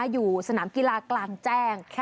อยู่สนามกีฬากลางแจ้ง